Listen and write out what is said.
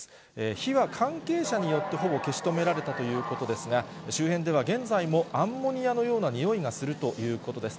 火は関係者によってほぼ消し止められたということですが、周辺では現在もアンモニアのような臭いがするということです。